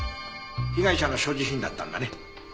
被害者の所持品だったんだね。